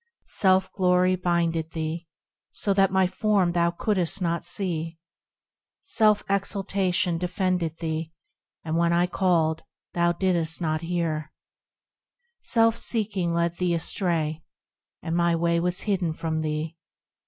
Self glory blinded thee, so that my Form thou couldst not see : Self exultation deafened thee, and when I called, thou didst not hear; Self seeking led thee astray, and my Way was hidden from thee.